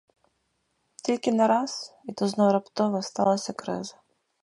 Тільки нараз, і то знов раптово, сталася криза.